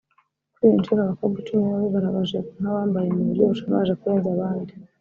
Kuri iyi nshuro abakobwa icumi nibo bigaragaje nk’abambaye mu buryo bushamaje kurenza abandi